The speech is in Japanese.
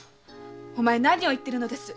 お前何を言っているのです！